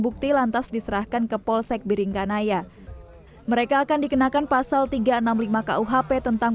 bukti lantas diserahkan ke polsek biringkanaya mereka akan dikenakan pasal tiga ratus enam puluh lima kuhp tentang